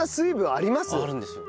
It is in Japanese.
あるんですよ。